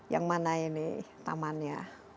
yang mana ini tamannya